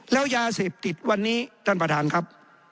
แล้วยาเสพติดวันนี้ท่านประธานครับ